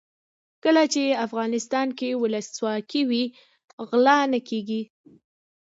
کله چې افغانستان کې ولسواکي وي غلا نه کیږي.